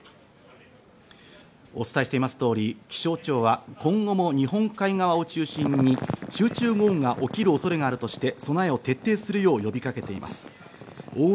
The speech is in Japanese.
お伝えしています通り、気象庁は今後も日本海側を中心に集中豪雨が起きる恐れがあるとして、備えを徹底するよう呼びかけています。